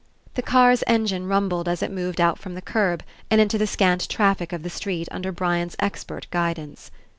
The car's engine rumbled as it moved out from the kerb and into the scant traffic of the street under Brian's expert guidance.